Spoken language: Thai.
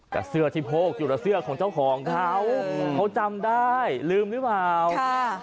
แต่เสื้อที่โพกอยู่กับเสื้อของเจ้าของเขาเขาจำได้ลืมหรือเปล่าค่ะ